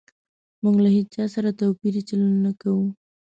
موږ له هيچا سره توپيري چلند نه کوو